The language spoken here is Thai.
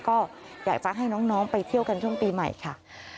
ก็อยากจะให้น้องไปเที่ยวกันช่วงปีใหม่ค่ะ